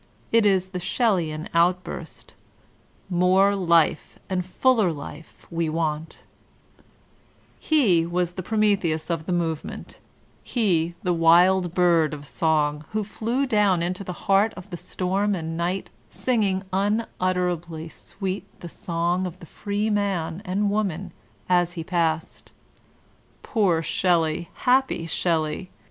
It is the Shelleyan outburst : "More life and fuller life we want He was the Prometheus of the movement, he, the wild bird of song, who flew down into the heart of storm and night, singing unutterably sweet the song of the free man and woman as he passed. Poor Shelley ! Happy Shelley